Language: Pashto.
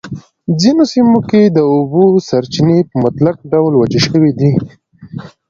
ځینو سیمو کې د اوبو سرچېنې په مطلق ډول وچې شوی دي.